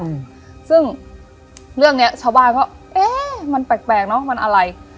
อืมซึ่งเรื่องเนี้ยชาวบ้านก็เอ๊ะมันแปลกแปลกเนอะมันอะไร